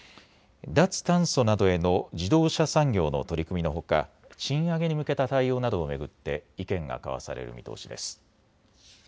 脱炭素などへの自動車産業の取り組みのほか、賃上げに向けた対応などを巡って意見が交わされる見通しです。